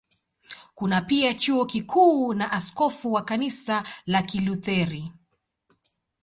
Kuna pia Chuo Kikuu na askofu wa Kanisa la Kilutheri.